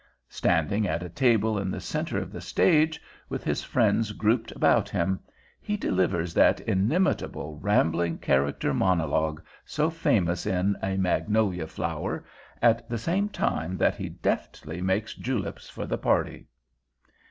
Standing at a table in the center of the stage, with his friends grouped about him, he delivers that inimitable, rambling character monologue so famous in A Magnolia Flower, at the same time that he deftly makes juleps for the party.